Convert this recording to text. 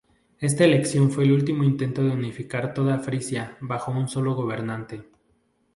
Esta elección fue el último intento de unificar toda Frisia bajo un solo gobernante.